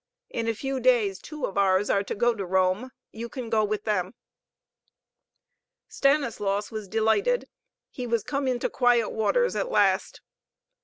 In a few days two of ours are to go to Rome. You can go with them." Stanislaus was delighted. He was come into quiet waters at last.